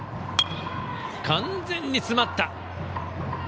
完全に詰まった。